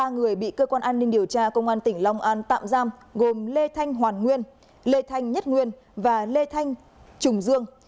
ba người bị cơ quan an ninh điều tra công an tỉnh long an tạm giam gồm lê thanh hoàn nguyên lê thanh nhất nguyên và lê thanh trùng dương